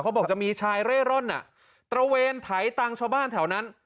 บอกจะมีชายเร่ร่อนตระเวนไถตังค์ชาวบ้านแถวนั้น